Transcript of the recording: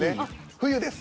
冬です。